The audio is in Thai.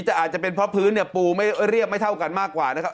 แต่อาจจะเป็นเพราะพื้นเนี่ยปูไม่เรียบไม่เท่ากันมากกว่านะครับ